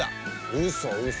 うそうそ。